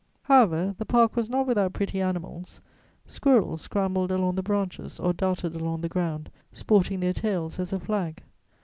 However, the Park was not without pretty animals: squirrels scrambled along the branches or darted along the ground, sporting their tails as a flag.